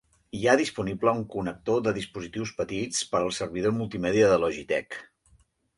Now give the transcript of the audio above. Hi ha disponible un connector de dispositius petits per al servidor multimèdia de Logitech.